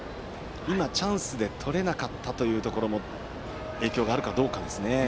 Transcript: チャンスで取れなかったというところも影響があるかどうかですね。